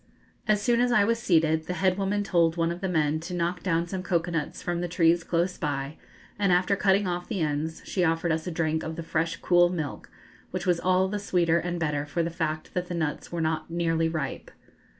] As soon as I was seated, the head woman told one of the men to knock down some cocoa nuts from the trees close by, and after cutting off the ends she offered us a drink of the fresh cool milk, which was all the sweeter and better for the fact that the nuts were not nearly ripe.